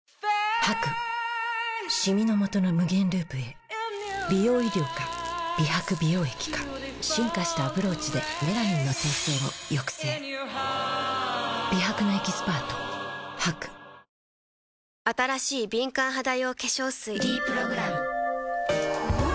シミのもとの無限ループへ美容医療か美白美容液か進化したアプローチでメラニンの生成を抑制美白のエキスパート新しい敏感肌用化粧水「ｄプログラム」おっ！